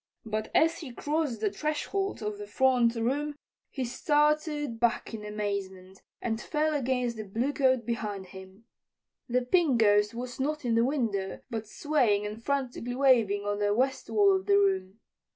But as he crossed the threshold of the front room he started back in amazement and fell against the bluecoat behind him. The Pink Ghost was not in the window, but swaying and frantically waving on the west wall of the room.